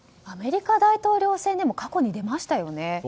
アメリカ大統領選でも過去に出ましたよね。